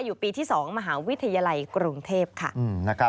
อยู่ปีที่๒มหาวิทยาลัยกรุงเทพค่ะ